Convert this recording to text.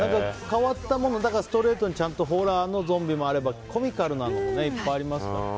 変わったものからストレートにちゃんとホラーのゾンビもあればコミカルなのもいっぱいありますもんね。